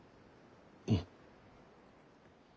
うん。